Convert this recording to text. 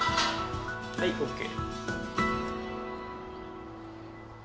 はいＯＫ。